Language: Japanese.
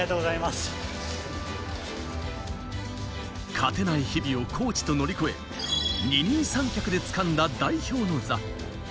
勝てない日々をコーチと乗り越え、二人三脚で掴んだ代表の座。